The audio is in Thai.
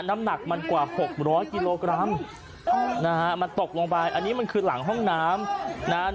มันตกลงไปอันนี้คือหลังห้องน้ำ